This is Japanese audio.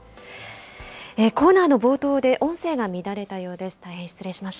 コーナーの冒頭で音声が乱れたようです。